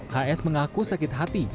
hs mengaku sakit hati